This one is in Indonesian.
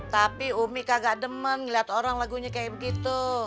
tapi umi kagak demen ngeliat orang lagunya kayak begitu